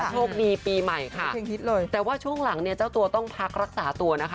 โชคดีปีใหม่ค่ะแต่ว่าช่วงหลังเนี่ยเจ้าตัวต้องพักรักษาตัวนะคะ